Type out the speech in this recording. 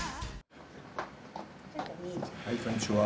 はいこんにちは。